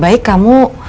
nah kita lihat